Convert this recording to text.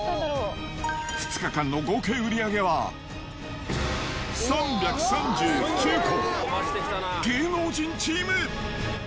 ２日間の合計売り上げは３３９個。